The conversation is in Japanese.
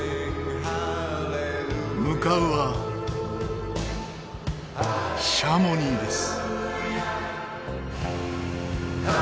向かうはシャモニーです。